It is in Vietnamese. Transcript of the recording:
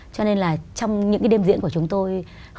cho nên là trong những cái đêm diễn của chúng tôi